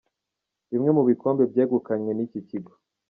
Bimwe mu bikombe byegukanywe n'iki kigo.